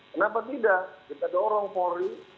kenapa tidak kita dorong polri